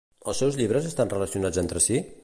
Els seus llibres estan relacionats entre sí?